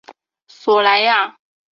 索莱亚。